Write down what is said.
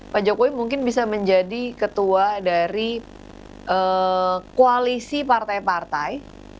pak jokowi mungkin bisa menjadi ketua dari koalisi partai partai